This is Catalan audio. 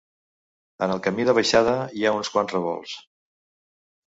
En el camí de baixada hi ha uns quants revolts.